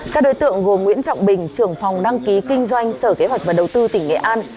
các đối tượng gồm nguyễn trọng bình trưởng phòng đăng ký kinh doanh sở kế hoạch và đầu tư tỉnh nghệ an